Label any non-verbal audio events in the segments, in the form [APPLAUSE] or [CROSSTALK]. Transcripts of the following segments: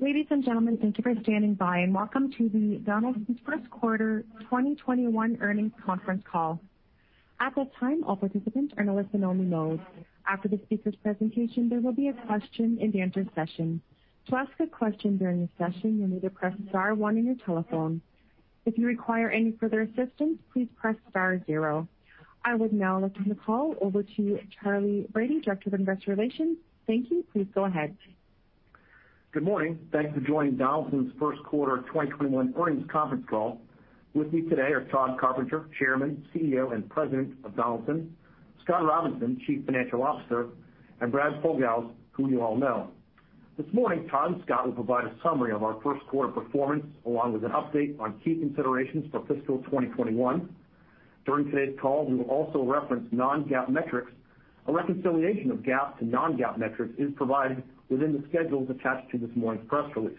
Ladies and gentlemen, thank you for standing by, and welcome to the Donaldson's First Quarter 2021 Earnings Conference Call. At this time, all participants are in a listen only mode. After the speaker's presentation, there will be a question and answer session. To ask a question during the session, you'll need to press star one on your telephone. If you require any further assistance, please press star zero. I would now like to turn the call over to Charley Brady, Director of Investor Relations. Thank you. Please go ahead. Good morning. Thanks for joining Donaldson's first quarter 2021 earnings conference call. With me today are Tod Carpenter, Chairman, CEO, and President of Donaldson, Scott Robinson, Chief Financial Officer, and Brad Pogalz, who you all know. This morning, Tod and Scott will provide a summary of our first quarter performance along with an update on key considerations for fiscal 2021. During today's call, we will also reference non-GAAP metrics. A reconciliation of GAAP to non-GAAP metrics is provided within the schedules attached to this morning's press release.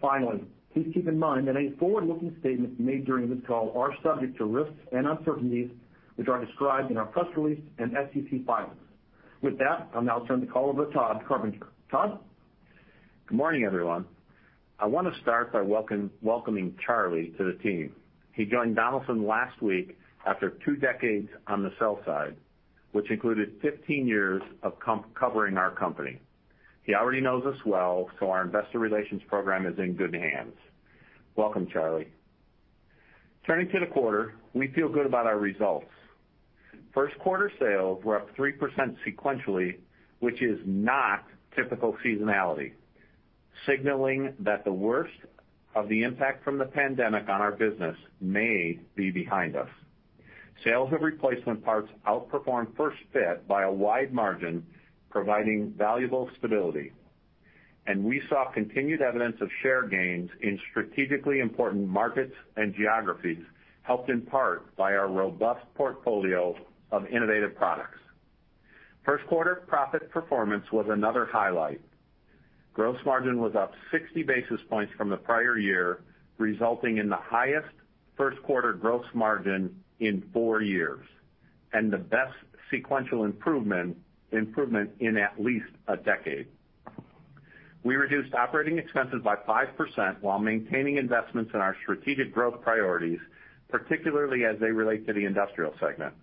Finally, please keep in mind that any forward-looking statements made during this call are subject to risks and uncertainties, which are described in our press release and SEC filings. With that, I'll now turn the call over to Tod Carpenter. Tod? Good morning, everyone. I want to start by welcoming Charley to the team. He joined Donaldson last week after two decades on the sell side, which included 15 years of covering our company. He already knows us well, so our investor relations program is in good hands. Welcome, Charley. Turning to the quarter, we feel good about our results. First quarter sales were up 3% sequentially, which is not typical seasonality, signaling that the worst of the impact from the pandemic on our business may be behind us. Sales of replacement parts outperformed first fit by a wide margin, providing valuable stability, and we saw continued evidence of share gains in strategically important markets and geographies, helped in part by our robust portfolio of innovative products. First quarter profit performance was another highlight. Gross margin was up 60 basis points from the prior year, resulting in the highest first quarter gross margin in four years and the best sequential improvement in at least a decade. We reduced operating expenses by 5% while maintaining investments in our strategic growth priorities, particularly as they relate to the Industrial segment.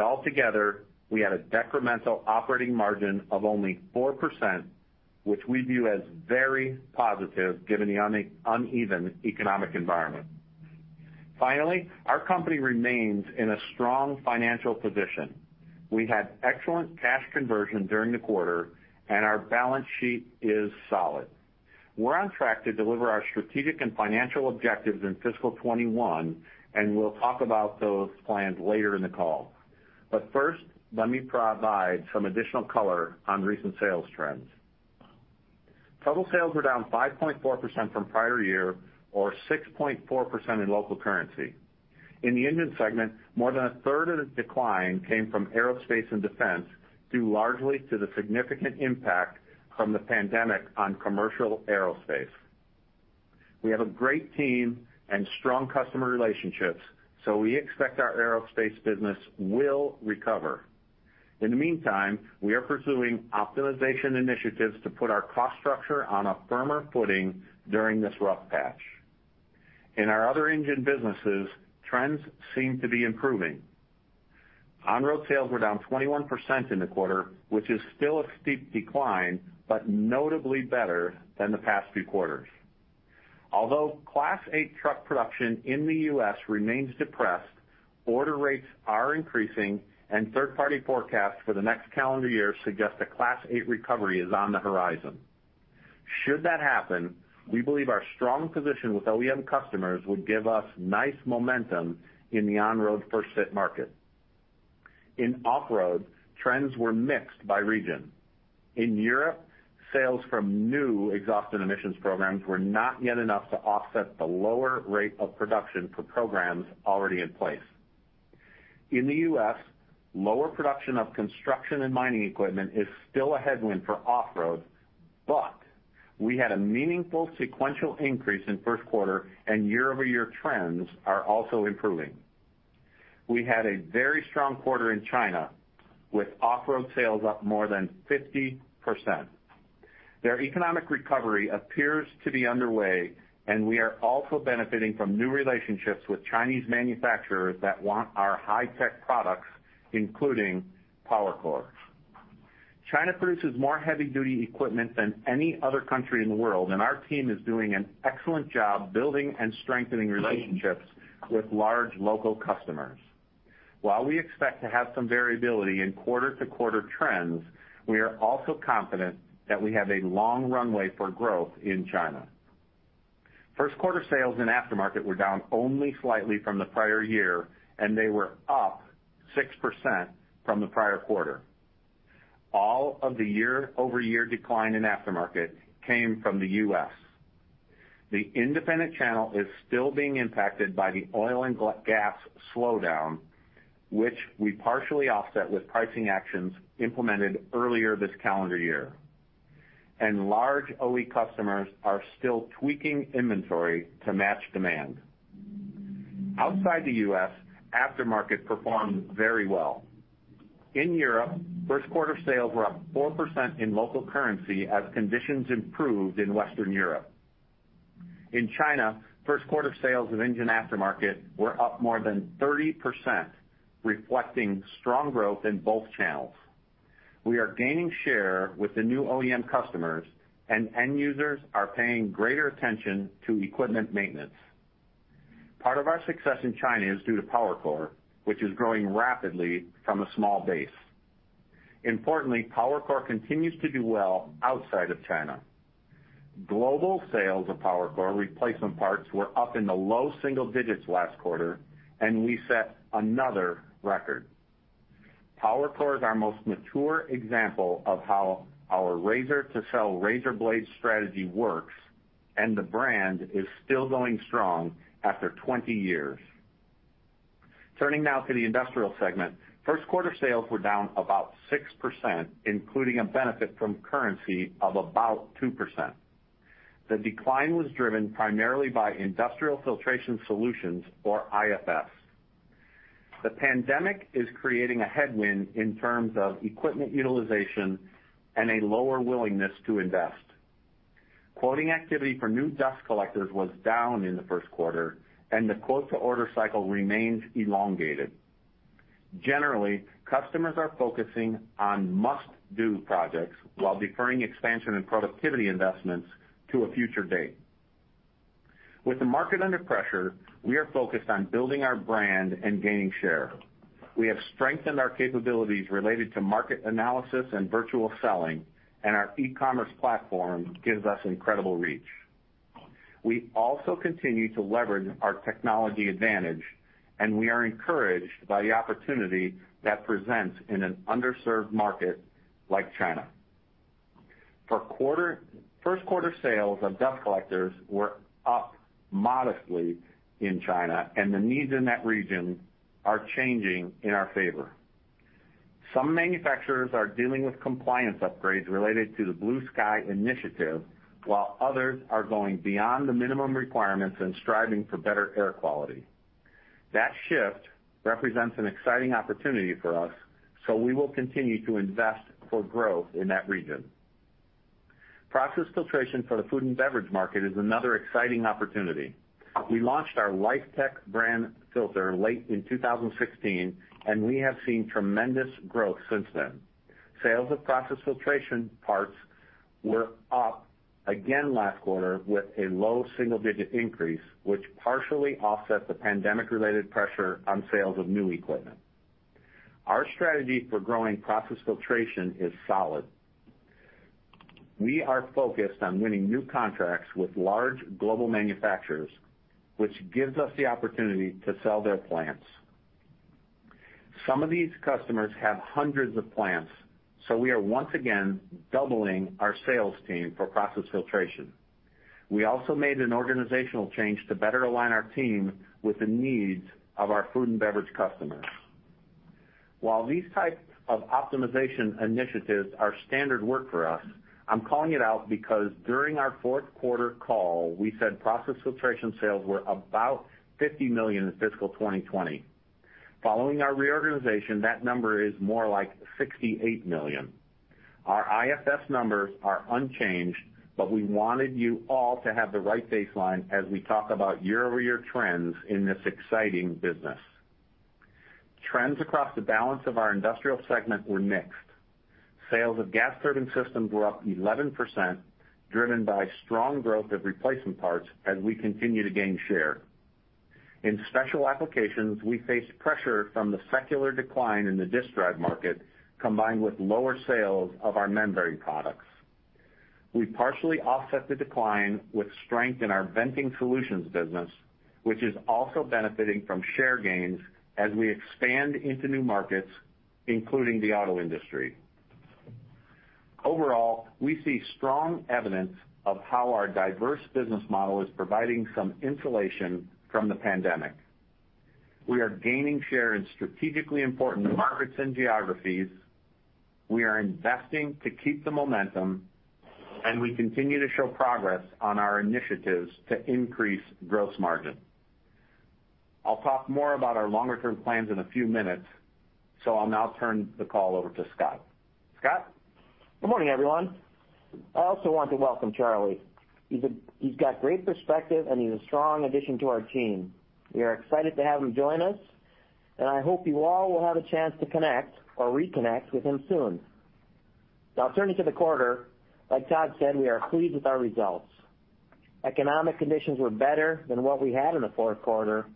Altogether, we had a decremental operating margin of only 4%, which we view as very positive given the uneven economic environment. Finally, our company remains in a strong financial position. We had excellent cash conversion during the quarter, and our balance sheet is solid. We're on track to deliver our strategic and financial objectives in fiscal 2021, and we'll talk about those plans later in the call. First, let me provide some additional color on recent sales trends. Total sales were down 5.4% from prior year or 6.4% in local currency. In the Engine segment, more than a third of the decline came from Aerospace and Defense, due largely to the significant impact from the pandemic on commercial aerospace. We have a great team and strong customer relationships, so we expect our Aerospace business will recover. In the meantime, we are pursuing optimization initiatives to put our cost structure on a firmer footing during this rough patch. In our other Engine businesses, trends seem to be improving. On-Road sales were down 21% in the quarter, which is still a steep decline, but notably better than the past few quarters. Although Class 8 truck production in the U.S. remains depressed, order rates are increasing and third party forecasts for the next calendar year suggest a Class 8 recovery is on the horizon. Should that happen, we believe our strong position with OEM customers would give us nice momentum in the On-Road First-fit market. In Off-Road, trends were mixed by region. In Europe, sales from new exhaust and emissions programs were not yet enough to offset the lower rate of production for programs already in place. In the U.S., lower production of construction and mining equipment is still a headwind for Off-Road, but we had a meaningful sequential increase in first quarter and year-over-year trends are also improving. We had a very strong quarter in China, with Off-Road sales up more than 50%. Their economic recovery appears to be underway, and we are also benefiting from new relationships with Chinese manufacturers that want our high-tech products, including PowerCore. China [INAUDIBLE] is more heavy duty equipment than any other country in the world and our team is doing an excellent job building and strengthening relationships with large local customers. While we expect to have some variability in quarter-to-quarter trends, we are also confident that we have a long runway for growth in China. First quarter sales in aftermarket were down only slightly from the prior year, and they were up 6% from the prior quarter. All of the year-over-year decline in aftermarket came from the U.S. The independent channel is still being impacted by the oil and gas slowdown, which we partially offset with pricing actions implemented earlier this calendar year. Large OE customers are still tweaking inventory to match demand. Outside the U.S., aftermarket performed very well. In Europe, first quarter sales were up 4% in local currency as conditions improved in Western Europe. In China, first quarter sales of Engine Aftermarket were up more than 30%, reflecting strong growth in both channels. We are gaining share with the new OEM customers, and end users are paying greater attention to equipment maintenance. Part of our success in China is due to PowerCore, which is growing rapidly from a small base. Importantly, PowerCore continues to do well outside of China. Global sales of PowerCore replacement parts were up in the low single digits last quarter, and we set another record. PowerCore is our most mature example of how our razor-to-sell, razor-blade strategy works, and the brand is still going strong after 20 years. Turning now to the Industrial segment. First quarter sales were down about 6%, including a benefit from currency of about 2%. The decline was driven primarily by Industrial Filtration Solutions or IFS. The pandemic is creating a headwind in terms of equipment utilization and a lower willingness to invest. Quoting activity for new dust collectors was down in the first quarter, and the quote-to-order cycle remains elongated. Generally, customers are focusing on must-do projects while deferring expansion and productivity investments to a future date. With the market under pressure, we are focused on building our brand and gaining share. We have strengthened our capabilities related to market analysis and virtual selling, and our e-commerce platform gives us incredible reach. We also continue to leverage our technology advantage, and we are encouraged by the opportunity that presents in an underserved market like China. First quarter sales of dust collectors were up modestly in China, and the needs in that region are changing in our favor. Some manufacturers are dealing with compliance upgrades related to the Blue Sky Initiative, while others are going beyond the minimum requirements and striving for better air quality. That shift represents an exciting opportunity for us, so we will continue to invest for growth in that region. Process Filtration for the Food and Beverage market is another exciting opportunity. We launched our LifeTec brand filter late in 2016, and we have seen tremendous growth since then. Sales of Process Filtration parts were up again last quarter with a low single-digit increase, which partially offset the pandemic-related pressure on sales of new equipment. Our strategy for growing Process Filtration is solid. We are focused on winning new contracts with large global manufacturers, which gives us the opportunity to sell their plants. Some of these customers have hundreds of plants, so we are once again doubling our sales team for Process Filtration. We also made an organizational change to better align our team with the needs of our Food and Beverage customers. While these types of optimization initiatives are standard work for us, I'm calling it out because during our fourth quarter call, we said Process Filtration sales were about $50 million in fiscal 2020. Following our reorganization, that number is more like $68 million. Our IFS numbers are unchanged, but we wanted you all to have the right baseline as we talk about year-over-year trends in this exciting business. Trends across the balance of our Industrial segment were mixed. Sales of Gas Turbine Systems were up 11%, driven by strong growth of replacement parts as we continue to gain share. In Special Applications, we faced pressure from the secular decline in the disk drive market, combined with lower sales of our membrane products. We partially offset the decline with strength in our Venting Solutions business, which is also benefiting from share gains as we expand into new markets, including the auto industry. Overall, we see strong evidence of how our diverse business model is providing some insulation from the pandemic. We are gaining share in strategically important markets and geographies. We are investing to keep the momentum, and we continue to show progress on our initiatives to increase gross margin. I'll talk more about our longer-term plans in a few minutes, so I'll now turn the call over to Scott. Scott? Good morning, everyone. I also want to welcome Charley. He's got great perspective, and he's a strong addition to our team. We are excited to have him join us, and I hope you all will have a chance to connect or reconnect with him soon. Turning to the quarter, like Tod said, we are pleased with our results. Economic conditions were better than what we had in the fourth quarter,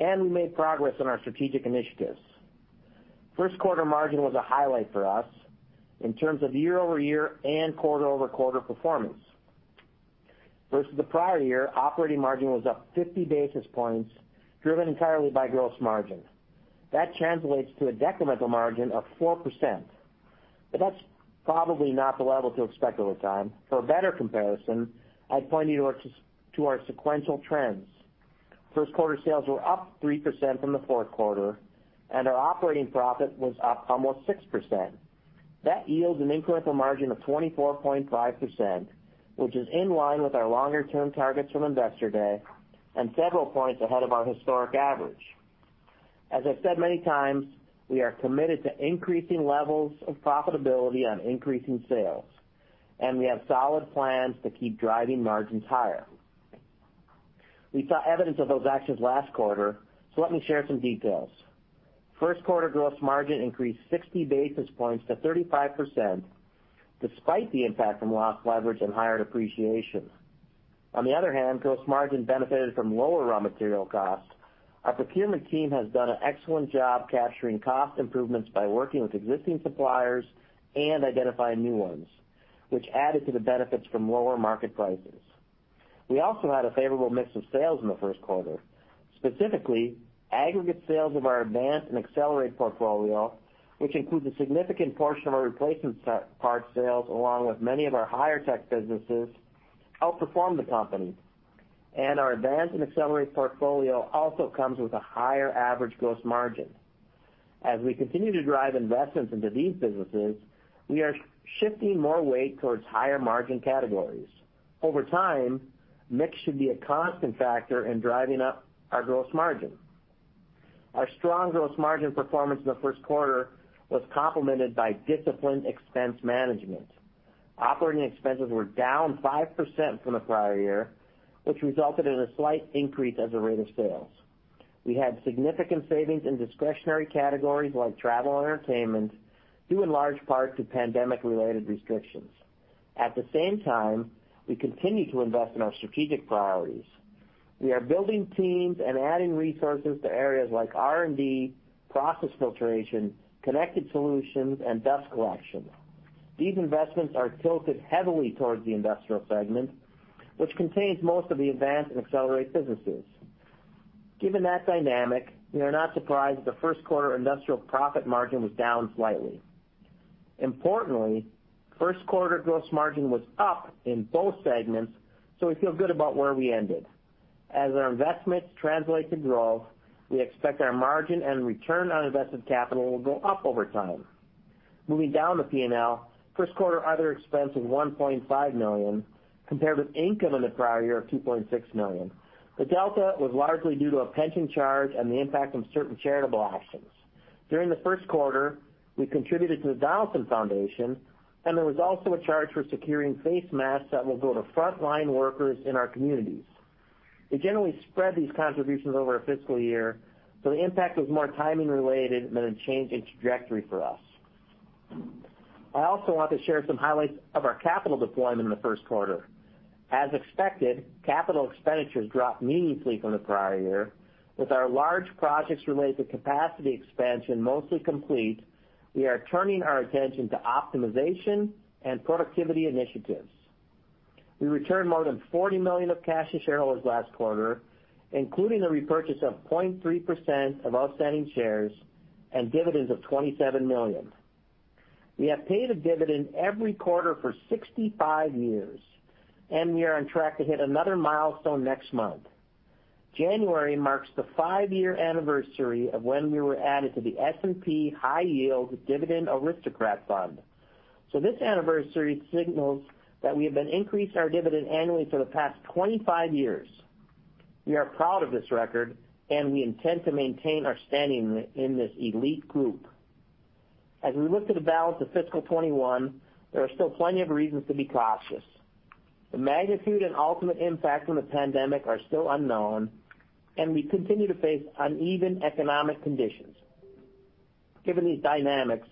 and we made progress on our strategic initiatives. First quarter margin was a highlight for us in terms of year-over-year and quarter-over-quarter performance. Versus the prior year, operating margin was up 50 basis points, driven entirely by gross margin. That translates to a decremental margin of 4%, but that's probably not the level to expect over time. For a better comparison, I'd point you to our sequential trends. First quarter sales were up 3% from the fourth quarter, and our operating profit was up almost 6%. That yields an incremental margin of 24.5%, which is in line with our longer-term targets from Investor Day and several points ahead of our historic average. As I've said many times, we are committed to increasing levels of profitability on increasing sales, and we have solid plans to keep driving margins higher. We saw evidence of those actions last quarter, so let me share some details. First quarter gross margin increased 60 basis points to 35%, despite the impact from lost leverage and higher depreciation. On the other hand, gross margin benefited from lower raw material costs. Our procurement team has done an excellent job capturing cost improvements by working with existing suppliers and identifying new ones, which added to the benefits from lower market prices. We also had a favorable mix of sales in the first quarter. Specifically, aggregate sales of our Advance and Accelerate portfolio, which includes a significant portion of our replacement parts sales, along with many of our higher tech businesses, outperformed the company. Our Advance and Accelerate portfolio also comes with a higher average gross margin. As we continue to drive investments into these businesses, we are shifting more weight towards higher margin categories. Over time, mix should be a constant factor in driving up our gross margin. Our strong gross margin performance in the first quarter was complemented by disciplined expense management. Operating expenses were down 5% from the prior year, which resulted in a slight increase as a rate of sales. We had significant savings in discretionary categories like travel and entertainment, due in large part to pandemic-related restrictions. At the same time, we continue to invest in our strategic priorities. We are building teams and adding resources to areas like R&D, Process Filtration, Connected Solutions, and Dust Collection. These investments are tilted heavily towards the Industrial segment, which contains most of the Advance and Accelerate businesses. Given that dynamic, we are not surprised that the first quarter Industrial profit margin was down slightly. Importantly, first quarter gross margin was up in both segments, so we feel good about where we ended. As our investments translate to growth, we expect our margin and return on invested capital will go up over time. Moving down the P&L, first quarter other expense was $1.5 million compared with income in the prior year of $2.6 million. The delta was largely due to a pension charge and the impact from certain charitable auctions. During the first quarter, we contributed to the Donaldson Foundation. There was also a charge for securing face masks that will go to frontline workers in our communities. We generally spread these contributions over a fiscal year, so the impact was more timing related than a change in trajectory for us. I also want to share some highlights of our capital deployment in the first quarter. As expected, capital expenditures dropped meaningfully from the prior year. With our large projects related to capacity expansion mostly complete, we are turning our attention to optimization and productivity initiatives. We returned more than $40 million of cash to shareholders last quarter, including the repurchase of 0.3% of outstanding shares and dividends of $27 million. We have paid a dividend every quarter for 65 years, and we are on track to hit another milestone next month. January marks the five-year anniversary of when we were added to the S&P High Yield Dividend Aristocrats Fund. This anniversary signals that we have been increasing our dividend annually for the past 25 years. We are proud of this record, and we intend to maintain our standing in this elite group. As we look to the balance of fiscal 2021, there are still plenty of reasons to be cautious. The magnitude and ultimate impact from the pandemic are still unknown, and we continue to face uneven economic conditions. Given these dynamics,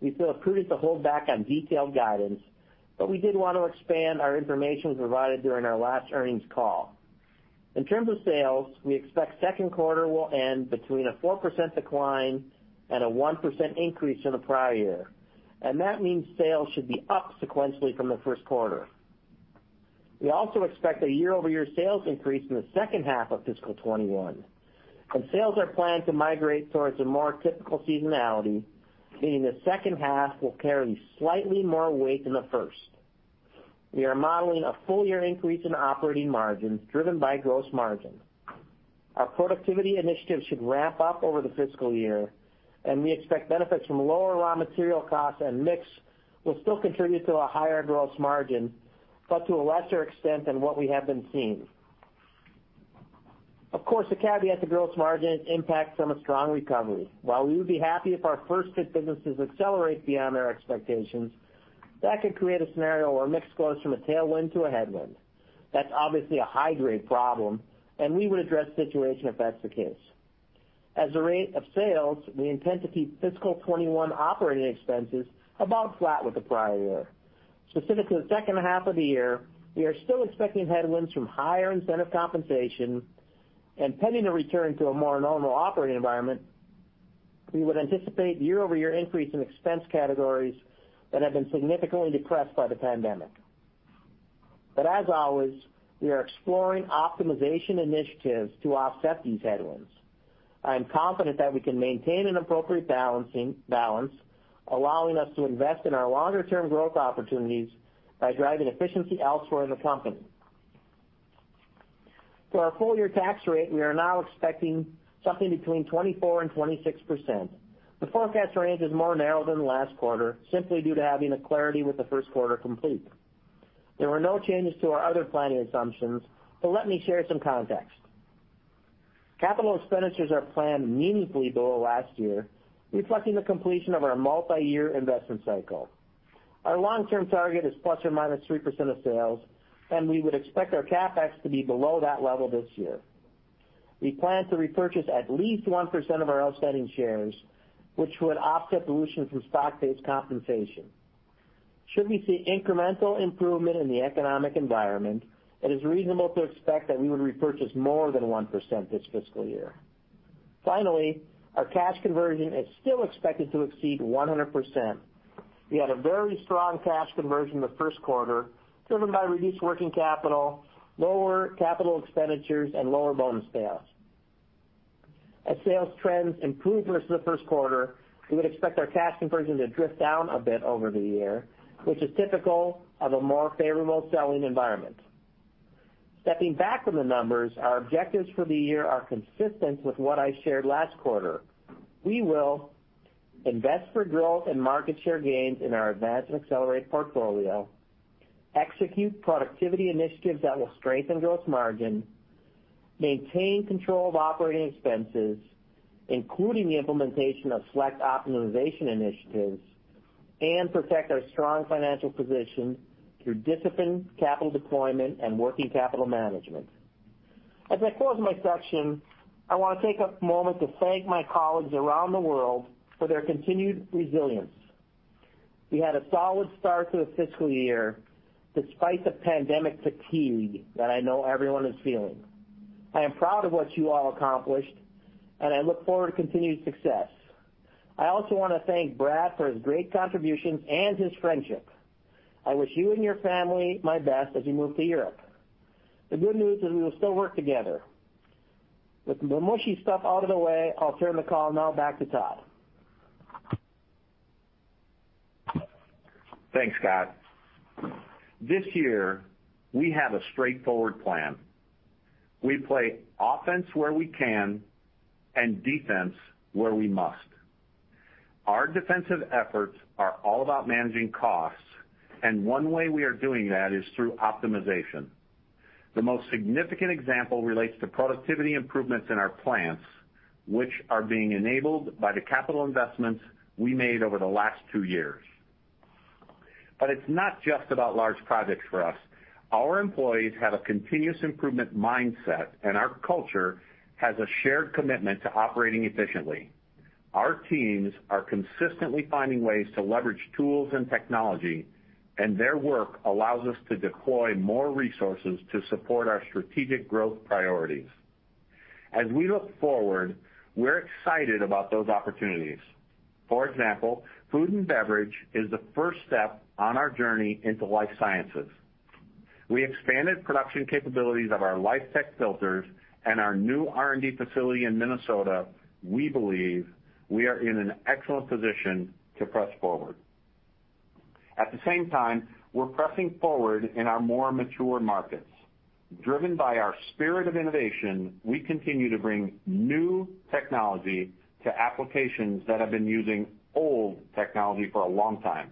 we feel it prudent to hold back on detailed guidance, but we did want to expand our information provided during our last earnings call. In terms of sales, we expect second quarter will end between a 4% decline and a 1% increase from the prior year, and that means sales should be up sequentially from the first quarter. We also expect a year-over-year sales increase in the second half of fiscal 2021. Sales are planned to migrate towards a more typical seasonality, meaning the second half will carry slightly more weight than the first. We are modeling a full-year increase in operating margins driven by gross margin. Our productivity initiatives should ramp up over the fiscal year, and we expect benefits from lower raw material costs and mix will still contribute to a higher gross margin, but to a lesser extent than what we have been seeing. Of course, the caveat to gross margin is impact from a strong recovery. While we would be happy if our first fit businesses accelerate beyond our expectations, that could create a scenario where mix goes from a tailwind to a headwind. That's obviously a high-grade problem, and we would address the situation if that's the case. As a rate of sales, we intend to keep fiscal 2021 operating expenses about flat with the prior year. Specific to the second half of the year, we are still expecting headwinds from higher incentive compensation and pending a return to a more normal operating environment, we would anticipate year-over-year increase in expense categories that have been significantly depressed by the pandemic. As always, we are exploring optimization initiatives to offset these headwinds. I am confident that we can maintain an appropriate balance, allowing us to invest in our longer-term growth opportunities by driving efficiency elsewhere in the company. For our full-year tax rate, we are now expecting something between 24% and 26%. The forecast range is more narrow than last quarter, simply due to having the clarity with the first quarter complete. There were no changes to our other planning assumptions, but let me share some context. Capital expenditures are planned meaningfully below last year, reflecting the completion of our multi-year investment cycle. Our long-term target is ±3% of sales, and we would expect our CapEx to be below that level this year. We plan to repurchase at least 1% of our outstanding shares, which would offset dilution from stock-based compensation. Should we see incremental improvement in the economic environment, it is reasonable to expect that we would repurchase more than 1% this fiscal year. Finally, our cash conversion is still expected to exceed 100%. We had a very strong cash conversion in the first quarter, driven by reduced working capital, lower capital expenditures, and lower bonus payouts. As sales trends improve versus the first quarter, we would expect our cash conversion to drift down a bit over the year, which is typical of a more favorable selling environment. Stepping back from the numbers, our objectives for the year are consistent with what I shared last quarter. We will invest for growth and market share gains in our Advance and Accelerate portfolio, execute productivity initiatives that will strengthen gross margin, maintain control of operating expenses, including the implementation of select optimization initiatives, and protect our strong financial position through disciplined capital deployment and working capital management. As I close my section, I want to take a moment to thank my colleagues around the world for their continued resilience. We had a solid start to the fiscal year despite the pandemic fatigue that I know everyone is feeling. I am proud of what you all accomplished, and I look forward to continued success. I also want to thank Brad for his great contributions and his friendship. I wish you and your family my best as you move to Europe. The good news is we will still work together. With the mushy stuff out of the way, I'll turn the call now back to Tod. Thanks, Scott. This year, we have a straightforward plan. We play offense where we can and defense where we must. Our defensive efforts are all about managing costs, and one way we are doing that is through optimization. The most significant example relates to productivity improvements in our plants, which are being enabled by the capital investments we made over the last two years. It's not just about large projects for us. Our employees have a continuous improvement mindset, and our culture has a shared commitment to operating efficiently. Our teams are consistently finding ways to leverage tools and technology, and their work allows us to deploy more resources to support our strategic growth priorities. As we look forward, we're excited about those opportunities. For example, Food and Beverage is the first step on our journey into Life Sciences. We expanded production capabilities of our LifeTec Filters and our new R&D facility in Minnesota. We believe we are in an excellent position to press forward. At the same time, we're pressing forward in our more mature markets. Driven by our spirit of innovation, we continue to bring new technology to applications that have been using old technology for a long time.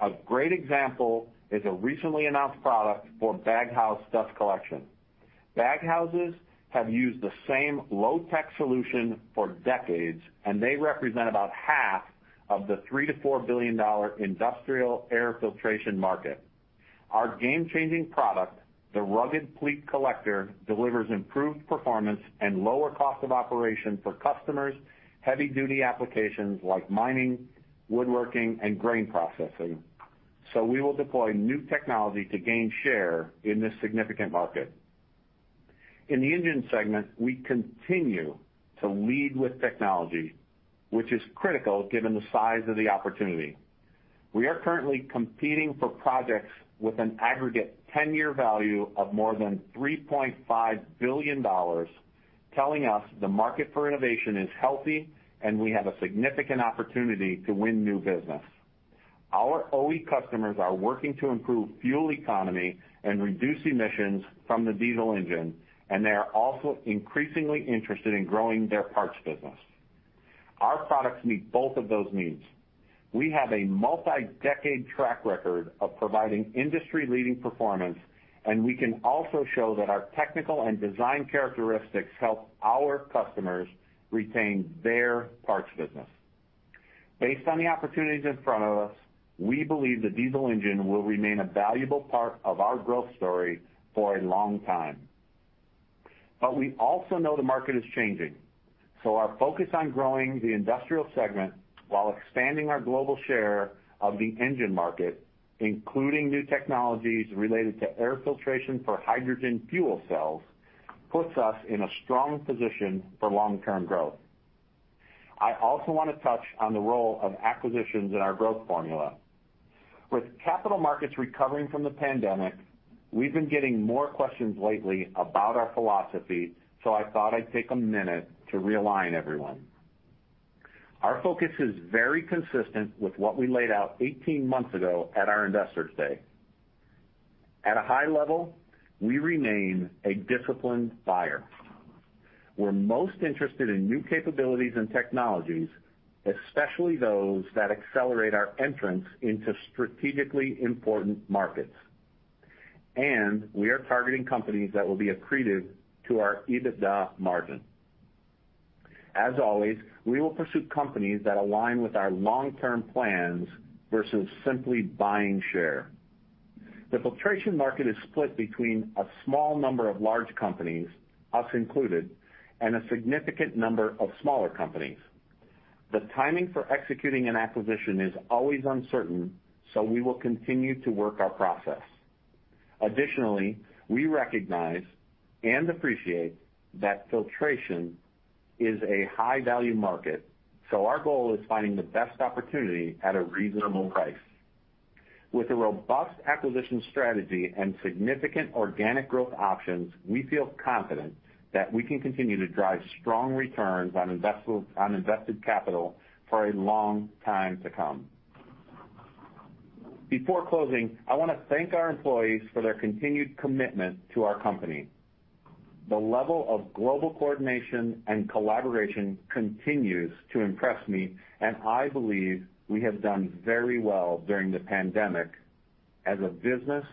A great example is a recently announced product Baghouse Dust Collection. baghouses have used the same low-tech solution for decades, and they represent about 1/2 of the $3 billion-$4 billion Industrial air filtration market. Our game-changing product, the Rugged Pleat Collector, delivers improved performance and lower cost of operation for customers, heavy-duty applications like mining, woodworking, and grain processing. We will deploy new technology to gain share in this significant market. In the Engine segment, we continue to lead with technology, which is critical given the size of the opportunity. We are currently competing for projects with an aggregate 10-year value of more than $3.5 billion, telling us the market for innovation is healthy and we have a significant opportunity to win new business. Our OE customers are working to improve fuel economy and reduce emissions from the diesel engine. They are also increasingly interested in growing their parts business. Our products meet both of those needs. We have a multi-decade track record of providing industry-leading performance. We can also show that our technical and design characteristics help our customers retain their parts business. Based on the opportunities in front of us, we believe the diesel engine will remain a valuable part of our growth story for a long time. We also know the market is changing, our focus on growing the Industrial segment while expanding our global share of the Engine market, including new technologies related to air filtration for hydrogen fuel cells, puts us in a strong position for long-term growth. I also want to touch on the role of acquisitions in our growth formula. With capital markets recovering from the pandemic, we've been getting more questions lately about our philosophy, I thought I'd take a minute to realign everyone. Our focus is very consistent with what we laid out 18 months ago at our Investors Day. At a high-level, we remain a disciplined buyer. We're most interested in new capabilities and technologies, especially those that accelerate our entrance into strategically important markets, we are targeting companies that will be accretive to our EBITDA margin. As always, we will pursue companies that align with our long-term plans versus simply buying share. The filtration market is split between a small number of large companies, us included, and a significant number of smaller companies. The timing for executing an acquisition is always uncertain, so we will continue to work our process. Additionally, we recognize and appreciate that filtration is a high-value market, so our goal is finding the best opportunity at a reasonable price. With a robust acquisition strategy and significant organic growth options, we feel confident that we can continue to drive strong returns on invested capital for a long time to come. Before closing, I want to thank our employees for their continued commitment to our company. The level of global coordination and collaboration continues to impress me, and I believe we have done very well during the pandemic as a business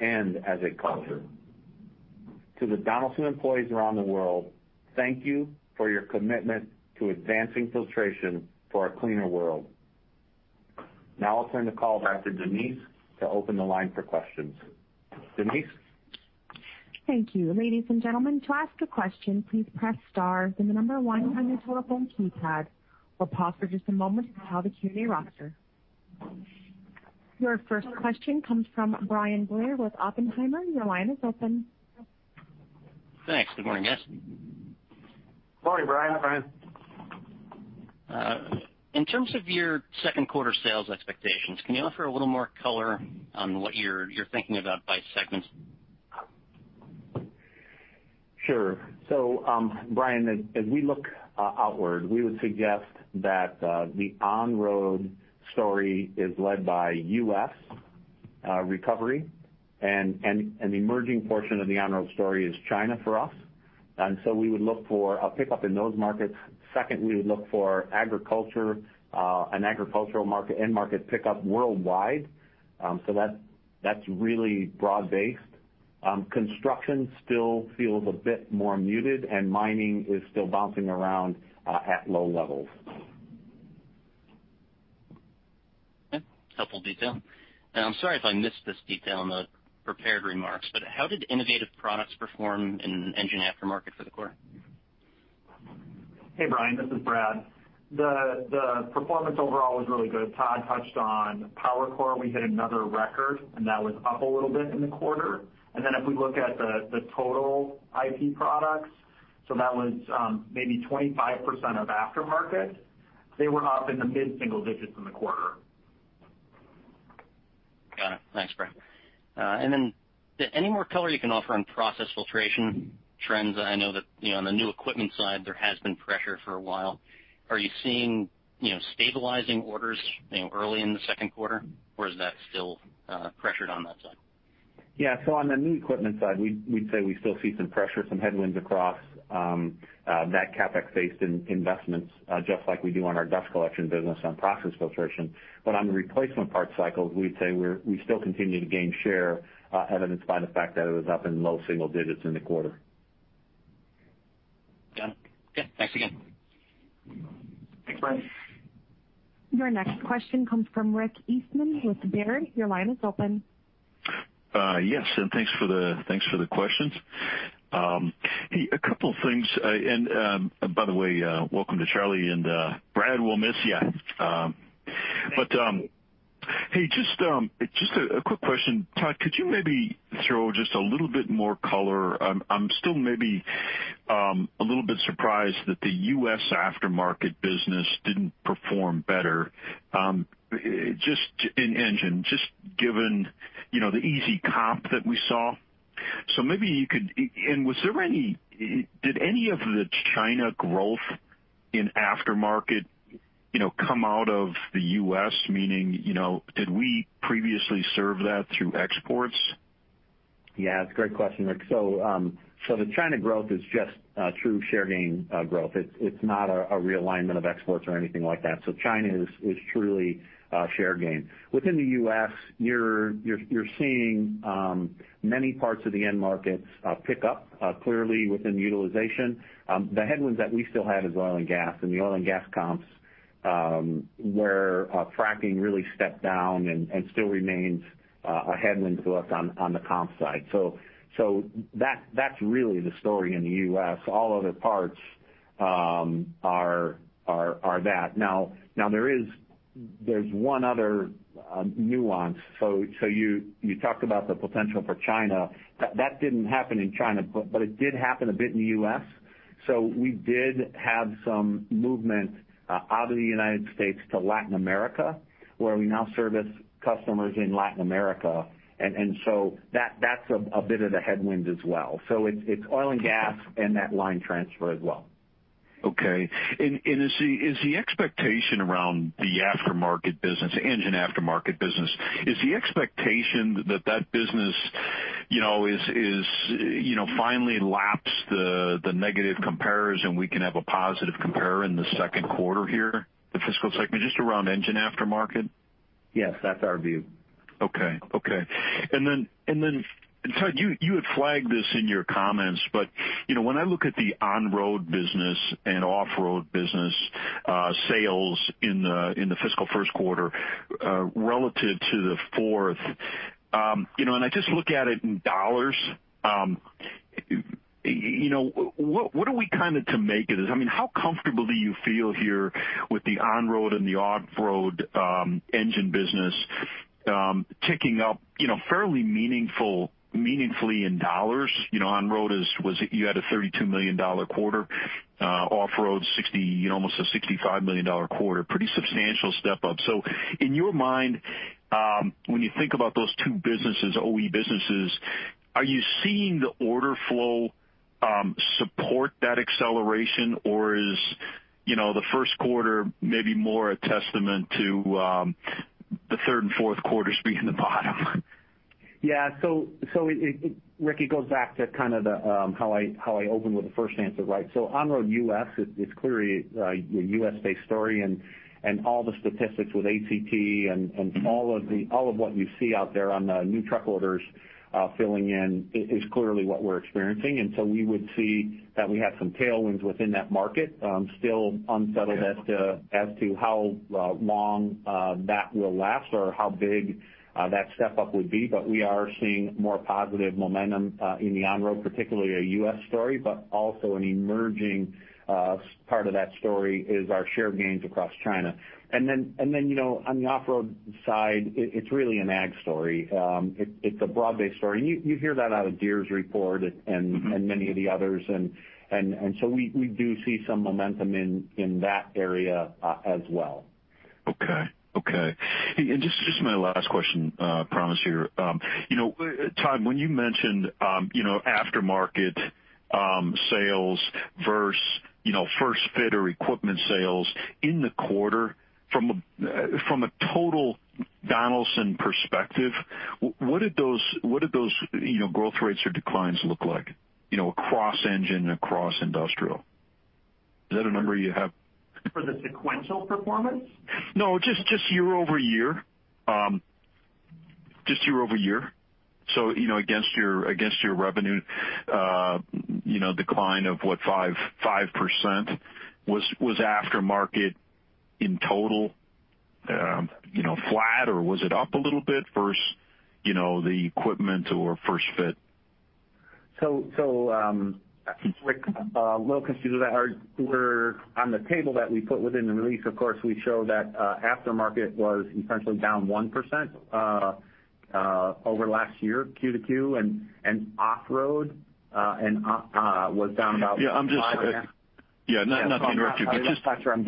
and as a culture. To the Donaldson employees around the world, thank you for your commitment to advancing filtration for a cleaner world. Now I'll turn the call back to Denise to open the line for questions. Denise? Thank you. Ladies and gentlemen, to ask a question, please press star, then the number one on your telephone keypad. We'll pause for just a moment while the queue reorders. Your first question comes from Bryan Blair with Oppenheimer. Your line is open. Thanks. Good morning, guys. Morning, Bryan. Morning, Bryan. In terms of your second quarter sales expectations, can you offer a little more color on what you're thinking about by segment? Sure. Bryan, as we look outward, we would suggest that the On-Road story is led by U.S. recovery, and the emerging portion of the On-Road story is China for us. We would look for a pickup in those markets. Second, we would look for agriculture, an agricultural end market pickup worldwide. That's really broad-based. Construction still feels a bit more muted, and mining is still bouncing around at low-levels. Okay. Helpful detail. I'm sorry if I missed this detail in the prepared remarks, how did innovative products perform in Engine Aftermarket for the quarter? Hey, Bryan, this is Brad. The performance overall was really good. Tod touched on PowerCore. We hit another record, that was up a little bit in the quarter. If we look at the total IP products, so that was maybe 25% of aftermarket, they were up in the mid-single digits in the quarter. Got it. Thanks, Brad. Any more color you can offer on Process Filtration trends? I know that on the new equipment side, there has been pressure for a while. Are you seeing stabilizing orders early in the second quarter, or is that still pressured on that side? On the new equipment side, we'd say we still see some pressure, some headwinds across that CapEx-based investments, just like we do on our Dust Collection business on Process Filtration. On the replacement parts cycles, we'd say we still continue to gain share, evidenced by the fact that it was up in low-single digits in the quarter. Got it. Okay, thanks again. Thanks, Bryan. Your next question comes from Rick Eastman with Baird. Your line is open. Yes, and thanks for the questions. Hey, a couple things. By the way, welcome to Charley, and Brad, we'll miss you Thank you. Hey, just a quick question. Tod, could you maybe throw just a little bit more color? I'm still maybe a little bit surprised that the U.S. aftermarket business didn't perform better in engine, just given the easy comp that we saw. Did any of the China growth in aftermarket come out of the U.S., meaning did we previously serve that through exports? Yeah, it's a great question, Rick. The China growth is just true share gain growth. It's not a realignment of exports or anything like that. China is truly share gain. Within the U.S., you're seeing many parts of the end markets pick up clearly within utilization. The headwinds that we still had is oil and gas, and the oil and gas comps where fracking really stepped down and still remains a headwind to us on the comp side. That's really the story in the U.S. All other parts are that. There's one other nuance. You talked about the potential for China. That didn't happen in China, but it did happen a bit in the U.S. We did have some movement out of the United States to Latin America, where we now service customers in Latin America. That's a bit of the headwind as well. It's oil and gas and that line transfer as well. Okay. Is the expectation around the Engine Aftermarket business, is the expectation that that business is finally lapped the negative comparables, and we can have a positive comparable in the second quarter here, the fiscal segment, just around Engine Aftermarket? Yes, that's our view. Okay. Tod, you had flagged this in your comments, but when I look at the On-Road business and Off-Road business sales in the fiscal first quarter relative to the fourth, and I just look at it in dollars, what are we to make it as? How comfortable do you feel here with the On-Road and the Off-Road Engine business ticking up fairly meaningfully in dollars? On-Road, you had a $32 million quarter. Off-Road, almost a $65 million quarter. Pretty substantial step up. In your mind, when you think about those two OE businesses, are you seeing the order flow support that acceleration, or is the first quarter maybe more a testament to the third and fourth quarters being the bottom? Yeah. Rick, it goes back to how I opened with the first answer. On-Road U.S. is clearly a U.S.-based story, and all the statistics with ACT and all of what you see out there on the new truck orders filling in is clearly what we're experiencing. We would see that we have some tailwinds within that market. Still unsettled as to how long that will last or how big that step-up would be. We are seeing more positive momentum in the On-Road, particularly a U.S. story, but also an emerging part of that story is our share gains across China. On the Off-Road side, it's really an ag story. It's a broad-based story. You hear that out of Deere's report and many of the others. We do see some momentum in that area as well. Okay. Just my last question, I promise here. Tod, when you mentioned aftermarket sales versus first-fit or equipment sales in the quarter, from a total Donaldson perspective, what did those growth rates or declines look like across Engine and across Industrial? Is that a number you have? For the sequential performance? No, just year-over-year. Just year-over-year. Against your revenue decline of what? 5%? Was aftermarket in total flat, or was it up a little bit versus the equipment or first-fit? Rick, a little confused there. On the table that we put within the release, of course, we show that aftermarket was essentially down 1% over last year, Q to Q, and Off-Road was down about 5.5%. Yeah, not to interrupt you, but. That's where I'm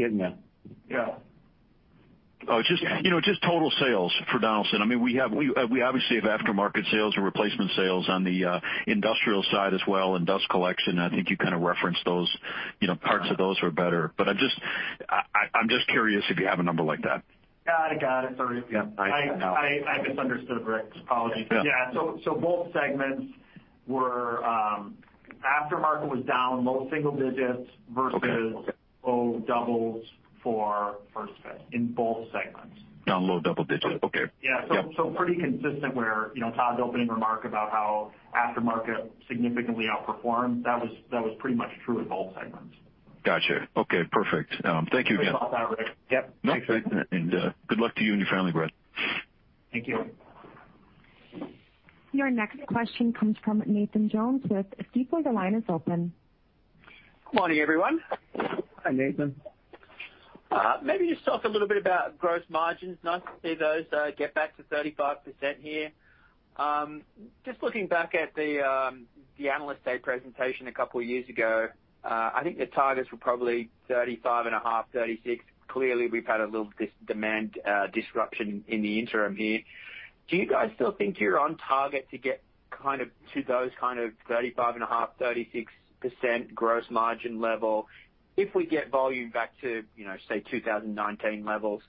getting that. Yeah. Just total sales for Donaldson. We obviously have aftermarket sales or replacement sales on the Industrial side as well and Dust Collection. I think you kind of referenced parts of those were better. I'm just curious if you have a number like that. Got it. Sorry I misunderstood, Rick. Apologies. Yeah. aftermarket was down low-single digits versus low doubles for first-fit in both segments. Down low-double digits. Okay. Yeah. Pretty consistent where Tod's opening remark about how aftermarket significantly outperformed, that was pretty much true in both segments. Got you. Okay, perfect. Thank you again. Thanks for that, Rick. Yep. Thanks. Good luck to you and your family, Brad. Thank you. Your next question comes from Nathan Jones with Stifel. The line is open. Good morning, everyone. Hi, Nathan. Maybe just talk a little bit about gross margins. Nice to see those get back to 35% here. Just looking back at the Analyst Day presentation a couple of years ago, I think the targets were probably 35.5%, 36%. Clearly, we've had a little demand disruption in the interim here. Do you guys still think you're on target to get to those kind of 35.5%, 36% gross margin level if we get volume back to, say, 2019 levels?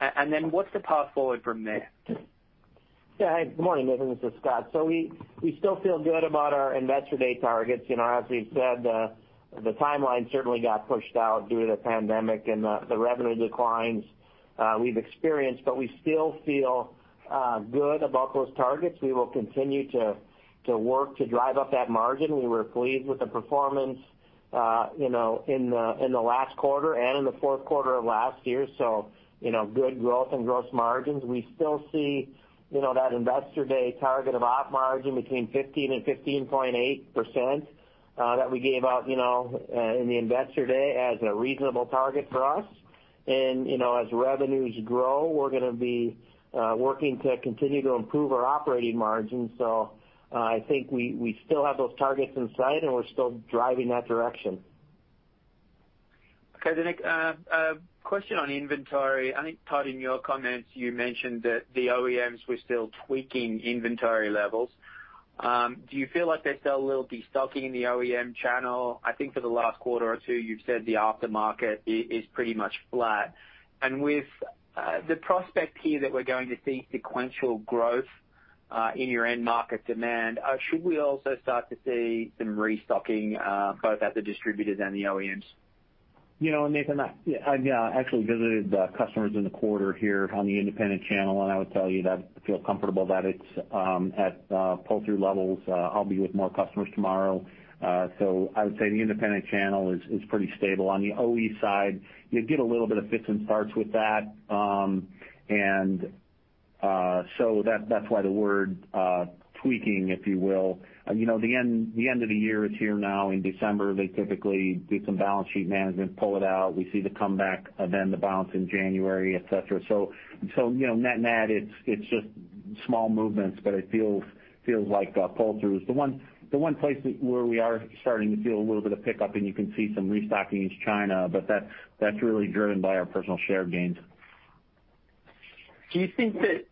Then what's the path forward from there? Yeah. Good morning, Nathan. This is Scott. We still feel good about our Investor Day targets. As we've said, the timeline certainly got pushed out due to the pandemic and the revenue declines we've experienced, but we still feel good about those targets. We will continue to work to drive up that margin. We were pleased with the performance in the last quarter and in the fourth quarter of last year. Good growth in gross margins. We still see that Investor Day target of op margin between 15% and 15.8% that we gave out in the Investor Day as a reasonable target for us. As revenues grow, we're going to be working to continue to improve our operating margin. I think we still have those targets in sight, and we're still driving that direction. Okay, a question on inventory. I think, Tod, in your comments, you mentioned that the OEMs were still tweaking inventory levels. Do you feel like there's still a little destocking in the OEM channel? I think for the last quarter or two, you've said the aftermarket is pretty much flat. With the prospect here that we're going to see sequential growth in your end market demand, should we also start to see some restocking both at the distributors and the OEMs? Nathan, I actually visited the customers in the quarter here on the independent channel. I would tell you that I feel comfortable that it's at pull-through levels. I'll be with more customers tomorrow. I would say the independent channel is pretty stable. On the OE side, you get a little bit of fits and starts with that. That's why the word tweaking, if you will. The end of the year is here now. In December, they typically do some balance sheet management, pull it out. We see the comeback, the bounce in January, et cetera. Net-net, it's just small movements, but it feels like pull-throughs. The one place where we are starting to feel a little bit of pickup, and you can see some restocking, is China, but that's really driven by our personal share gains. Do you think that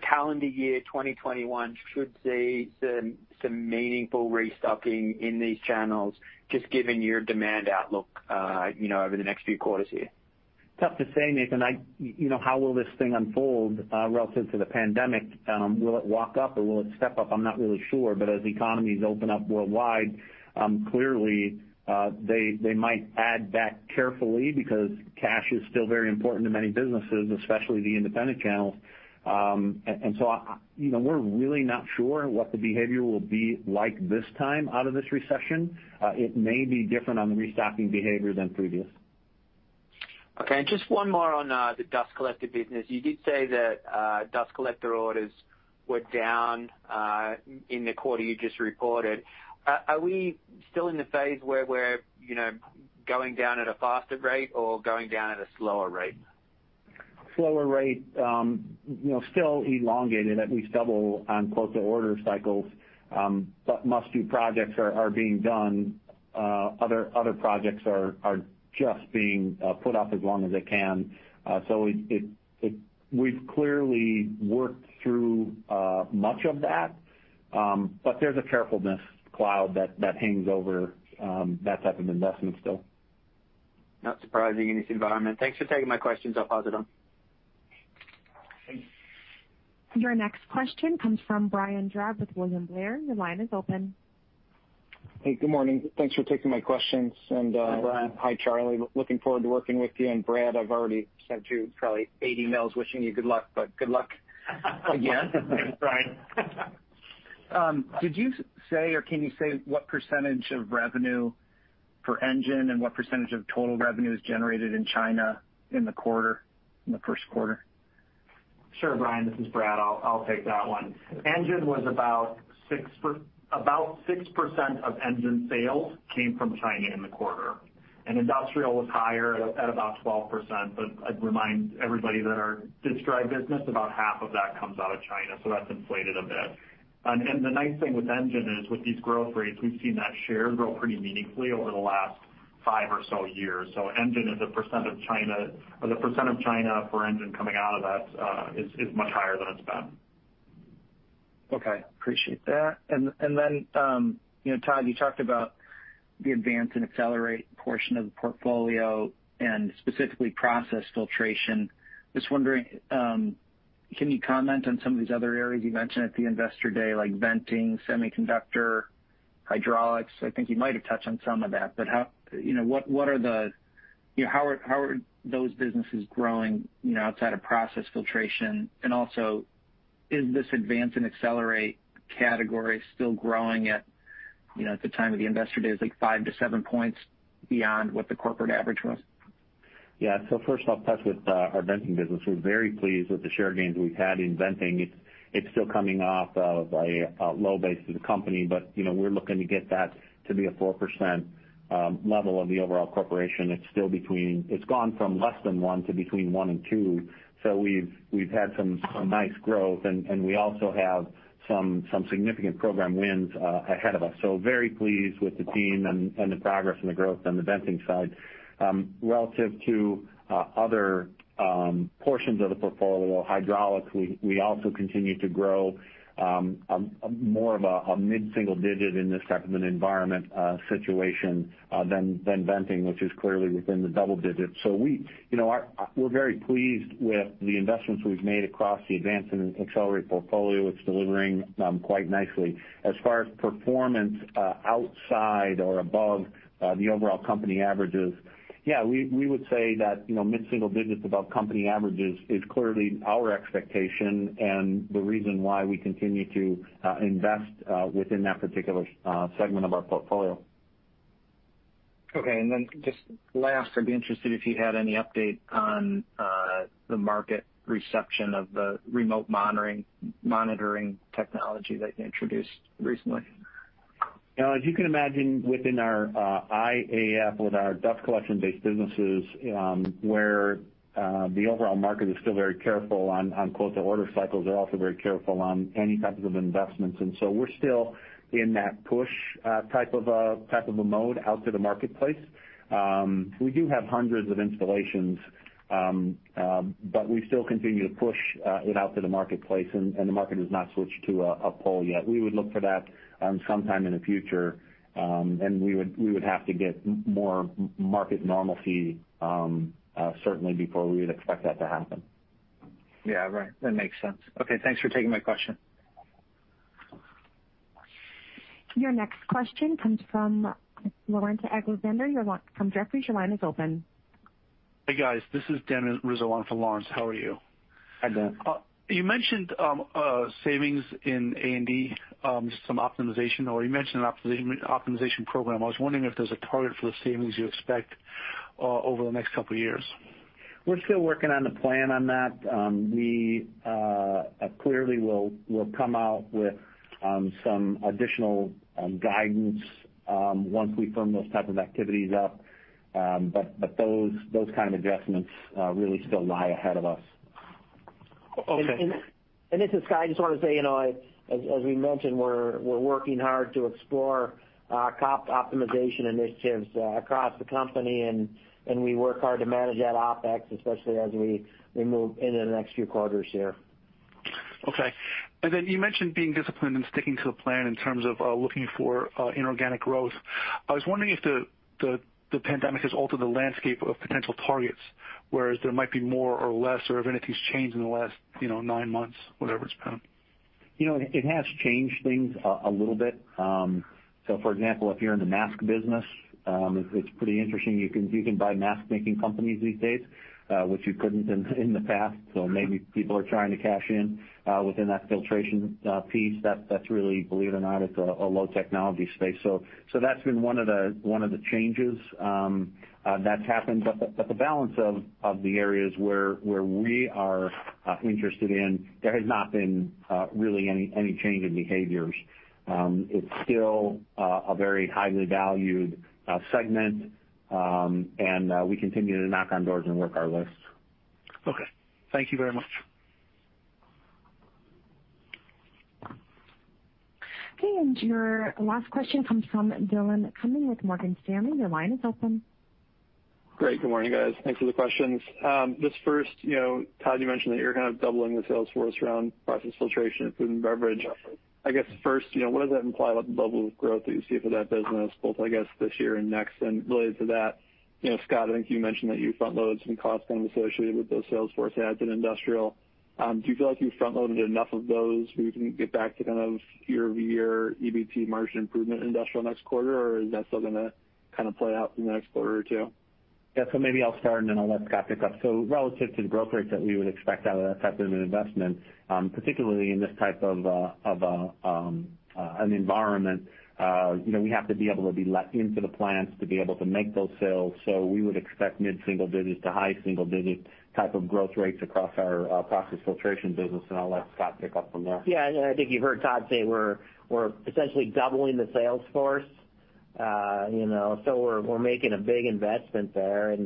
calendar year 2021 should see some meaningful restocking in these channels, just given your demand outlook over the next few quarters here? It's tough to say, Nathan. How will this thing unfold relative to the pandemic? Will it walk up or will it step up? I'm not really sure. As economies open up worldwide, clearly, they might add back carefully because cash is still very important to many businesses, especially the independent channels. We're really not sure what the behavior will be like this time out of this recession. It may be different on the restocking behavior than previous. Okay. Just one more on the Dust Collector business. You did say that Dust Collector orders were down in the quarter you just reported. Are we still in the phase where we're going down at a faster rate or going down at a slower rate? Slower rate. Still elongated, at least double on quote to order cycles. Must-do projects are being done. Other projects are just being put off as long as they can. We've clearly worked through much of that. There's a carefulness cloud that hangs over that type of investment still. Not surprising in this environment. Thanks for taking my questions. I'll pause it on. Your next question comes from Brian Drab with William Blair. Your line is open. Hey, good morning. Thanks for taking my questions. Hi, Brian. Hi, Charley. Looking forward to working with you, and Brad, I've already sent you probably eight emails wishing you good luck, but good luck again. Thanks, Brian. Did you say, or can you say what percentage of revenue for Engine and what percentage of total revenue is generated in China in the quarter, in the first quarter? Sure, Brian. This is Brad. I'll take that one. About 6% of Engine sales came from China in the quarter, and Industrial was higher at about 12%. I'd remind everybody that our Disc Drive business, about 1/2 of that comes out of China, so that's inflated a bit. The nice thing with Engine is with these growth rates, we've seen that share grow pretty meaningfully over the last five or so years. Engine as a percent of China, or the percent of China for Engine coming out of that is much higher than it's been. Okay. Appreciate that. Then Tod, you talked about the Advance and Accelerate portion of the portfolio and specifically Process Filtration. Just wondering, can you comment on some of these other areas you mentioned at the Investor Day, like venting, semiconductor, hydraulics? I think you might have touched on some of that, but how are those businesses growing outside of Process Filtration? Also, is this Advance and Accelerate category still growing at the time of the Investor Day, like five to seven points beyond what the corporate average was? First off, touch with our venting business. We're very pleased with the share gains we've had in venting. It's still coming off of a low base to the company, we're looking to get that to be a 4% level of the overall corporation. It's gone from less than one to between one and two. We've had some nice growth, and we also have some significant program wins ahead of us. Very pleased with the team and the progress and the growth on the venting side. Relative to other portions of the portfolio, hydraulics, we also continue to grow more of a mid-single digit in this type of an environment situation than venting, which is clearly within the double digits. We're very pleased with the investments we've made across the Advance and Accelerate portfolio. It's delivering quite nicely. As far as performance outside or above the overall company averages, yeah, we would say that mid-single digits above company averages is clearly our expectation and the reason why we continue to invest within that particular segment of our portfolio. Okay. Just last, I'd be interested if you had any update on the market reception of the remote monitoring technology that you introduced recently. As you can imagine, within our IAF, with our Dust Collection-based businesses, where the overall market is still very careful on quote-to-order cycles. They're also very careful on any types of investments. We're still in that push type of a mode out to the marketplace. We do have hundreds of installations, but we still continue to push it out to the marketplace, and the market has not switched to a pull yet. We would look for that sometime in the future. We would have to get more market normalcy, certainly before we would expect that to happen. Yeah, right. That makes sense. Okay, thanks for taking my question. Your next question comes from Laurence Alexander from Jefferies. Your line is open. Hey, guys. This is Dan Rizzo for Laurence. How are you? Hi, Dan. You mentioned savings in A&D, you mentioned an optimization program. I was wondering if there's a target for the savings you expect over the next couple of years. We're still working on the plan on that. We clearly will come out with some additional guidance once we firm those type of activities up. Those kind of adjustments really still lie ahead of us. This is Scott. I just want to say, as we mentioned, we're working hard to explore our cost optimization initiatives across the company, and we work hard to manage that OpEx, especially as we move into the next few quarters here. Okay. You mentioned being disciplined and sticking to the plan in terms of looking for inorganic growth. I was wondering if the pandemic has altered the landscape of potential targets, whereas there might be more or less, or if anything's changed in the last nine months, whatever it's been. It has changed things a little bit. For example, if you're in the mask business, it's pretty interesting. You can buy mask-making companies these days, which you couldn't in the past. Maybe people are trying to cash in within that filtration piece. That's really, believe it or not, it's a low technology space. That's been one of the changes that's happened. The balance of the areas where we are interested in, there has not been really any change in behaviors. It's still a very highly valued segment. We continue to knock on doors and work our lists. Okay. Thank you very much. Okay, your last question comes from Dillon Cumming with Morgan Stanley. Your line is open. Great. Good morning, guys. Thanks for the questions. This first, Tod, you mentioned that you're kind of doubling the sales force around Process Filtration and Food and Beverage. I guess first, what does that imply about the level of growth that you see for that business, both I guess this year and next? Related to that, Scott, I think you mentioned that you front-loaded some cost savings associated with those sales force adds in industrial. Do you feel like you've front-loaded enough of those where you can get back to kind of year-over-year EBT margin improvement in industrial next quarter, or is that still going to kind of play out in the next quarter or two? Yeah. Maybe I'll start, and then I'll let Scott pick up. Relative to the growth rates that we would expect out of that type of an investment, particularly in this type of an environment, we have to be able to be let into the plants to be able to make those sales. We would expect mid-single digit to high single digit type of growth rates across our Process Filtration business. I'll let Scott pick up from there. Yeah, I think you heard Tod say we're essentially doubling the sales force. We're making a big investment there.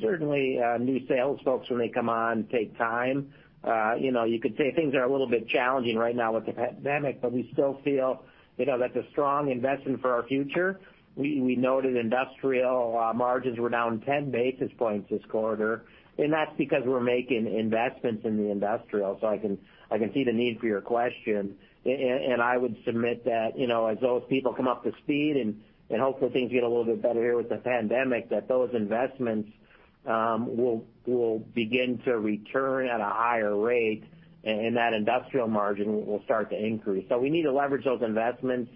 Certainly, new sales folks when they come on take time. You could say things are a little bit challenging right now with the pandemic, but we still feel that's a strong investment for our future. We noted industrial margins were down 10 basis points this quarter, and that's because we're making investments in the industrial. I can see the need for your question. I would submit that as those people come up to speed and hopefully things get a little bit better here with the pandemic, that those investments will begin to return at a higher rate and that Industrial margin will start to increase. We need to leverage those investments.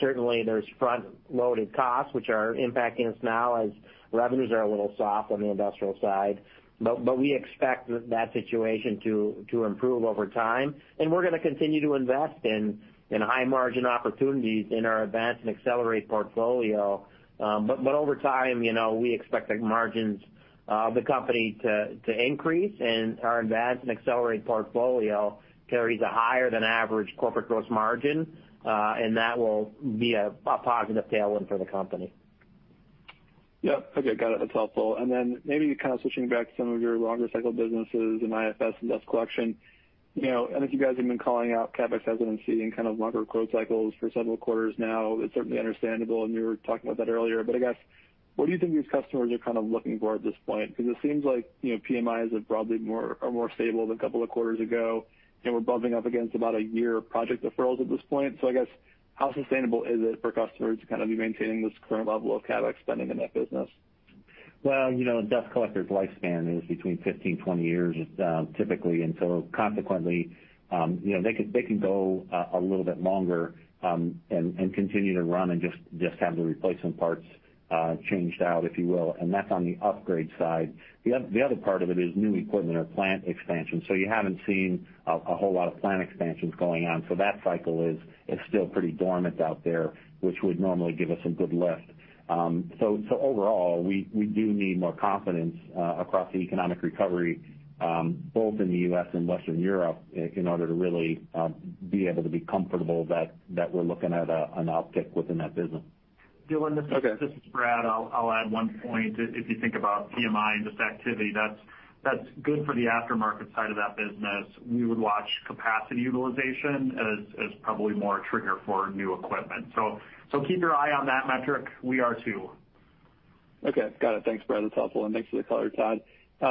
Certainly, there's front-loaded costs, which are impacting us now as revenues are a little soft on the Industrial side. We expect that situation to improve over time, and we're going to continue to invest in high margin opportunities in our Advance and Accelerate portfolio. Over time, we expect the margins of the company to increase and our Advance and Accelerate portfolio carries a higher than average corporate gross margin. That will be a positive tailwind for the company. Yep. Okay, got it. That's helpful. Then maybe kind of switching back to some of your longer cycle businesses in IFS and Dust Collection. I think you guys have been calling out CapEx hesitancy and kind of longer quote cycles for several quarters now. It's certainly understandable, and you were talking about that earlier. I guess, what do you think these customers are kind of looking for at this point? It seems like PMIs are probably more stable than a couple of quarters ago, and we're bumping up against about a year of project deferrals at this point. I guess, how sustainable is it for customers to kind of be maintaining this current level of CapEx spending in that business? Well, a dust collector's lifespan is between 15, 20 years, typically. Consequently, they can go a little bit longer and continue to run and just have the replacement parts changed out, if you will. That's on the upgrade side. The other part of it is new equipment or plant expansion. You haven't seen a whole lot of plant expansions going on. That cycle is still pretty dormant out there, which would normally give us a good lift. Overall, we do need more confidence across the economic recovery both in the U.S. and Western Europe in order to really be able to be comfortable that we're looking at an uptick within that business. Dillon, this is Brad. I'll add one point. If you think about PMI and just activity, that's good for the aftermarket side of that business. We would watch capacity utilization as probably more a trigger for new equipment. Keep your eye on that metric. We are, too. Okay, got it. Thanks, Brad. That's helpful. Thanks for the color, Tod.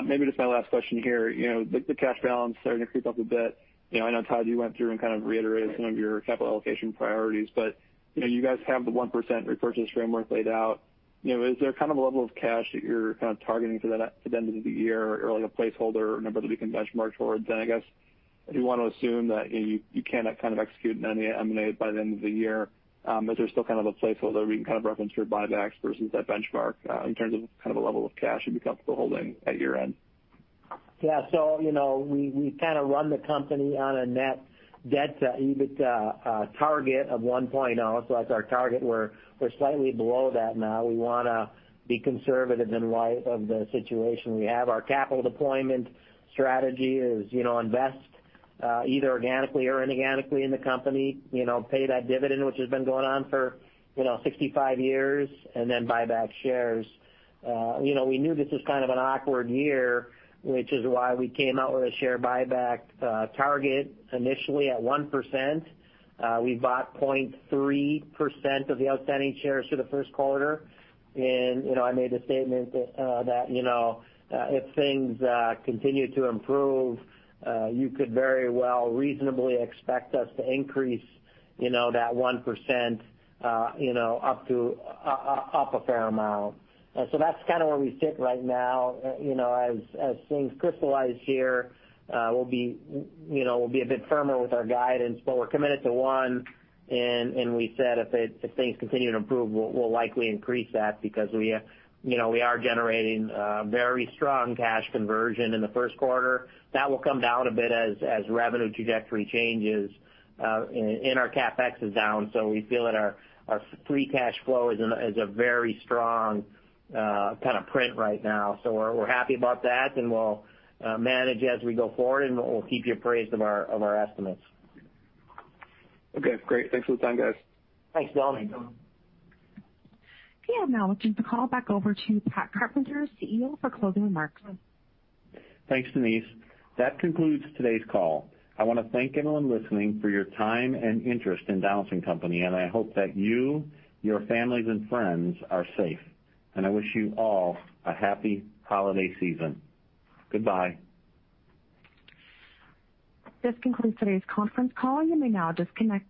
Maybe just my last question here. The cash balance starting to creep up a bit. I know, Tod, you went through and kind of reiterated some of your capital allocation priorities, but you guys have the 1% repurchase framework laid out. Is there kind of a level of cash that you're kind of targeting to the end of the year or like a placeholder number that we can benchmark towards? I guess, if you want to assume that you cannot kind of execute on any M&A by the end of the year, is there still kind of a placeholder we can kind of reference for buybacks versus that benchmark in terms of kind of a level of cash you'd be comfortable holding at year-end? Yeah. We kind of run the company on a net debt to EBITDA target of 1.0, so that's our target. We're slightly below that now. We want to be conservative in light of the situation we have. Our capital deployment strategy is invest, either organically or inorganically in the company, pay that dividend, which has been going on for 65 years, and then buy back shares. We knew this was kind of an awkward year, which is why we came out with a share buyback target initially at 1%. We bought 0.3% of the outstanding shares for the first quarter. I made the statement that if things continue to improve, you could very well reasonably expect us to increase that 1% up a fair amount. That's kind of where we sit right now. As things crystallize here, we'll be a bit firmer with our guidance. We're committed to one, and we said if things continue to improve, we'll likely increase that because we are generating very strong cash conversion in the first quarter. That will come down a bit as revenue trajectory changes, and our CapEx is down. We feel that our free cash flow is a very strong kind of print right now. We're happy about that, and we'll manage as we go forward, and we'll keep you appraised of our estimates. Okay, great. Thanks for the time, guys. Thanks, Dillon. We have now turned the call back over to Tod Carpenter, CEO, for closing remarks. Thanks, Denise. That concludes today's call. I want to thank everyone listening for your time and interest in Donaldson Company. I hope that you, your families, and friends are safe. I wish you all a happy holiday season. Goodbye. This concludes today's conference call. You may now disconnect.